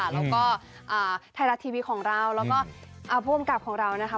แล้วก็ไทยรัฐทีวีของเราแล้วก็ผู้กำกับของเรานะคะ